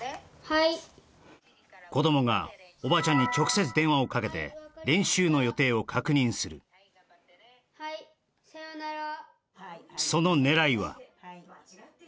はい子どもがおばちゃんに直接電話をかけて練習の予定を確認するはい頑張ってねはいさよなら